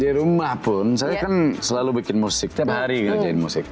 di rumah pun saya kan selalu bikin musik tiap hari ngerjain musik